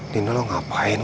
tuhan pun kenal